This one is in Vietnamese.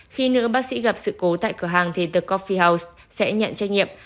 khi nữ bác sĩ gặp sự cố tại cửa hàng thì the cophie house sẽ nhận trách nhiệm